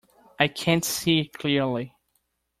I can't see clearly.